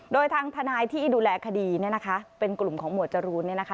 โดยทางทนายที่ดูแลคดีเป็นกลุ่มของหมวดจรูน